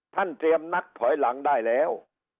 เตรียมนักถอยหลังได้แล้ว